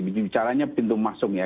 bicaranya pintu masuk ya